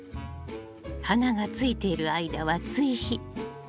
花がついている間は追肥。